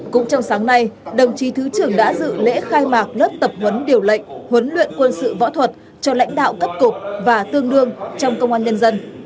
cũng trong sáng nay đồng chí thứ trưởng đã dự lễ khai mạc lớp tập huấn điều lệnh huấn luyện quân sự võ thuật cho lãnh đạo cấp cục và tương đương trong công an nhân dân